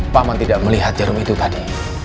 paman tidak melihat jarum itu tadi